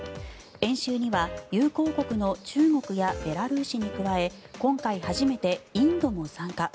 演習には友好国の中国やベラルーシに加え今回初めてインドも参加。